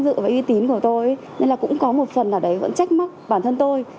tựa với uy tín của tôi nên là cũng có một phần ở đấy vẫn trách mắc bản thân tôi